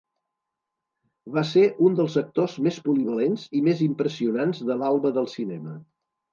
Va ser un dels actors més polivalents i més impressionants de l'alba del cinema.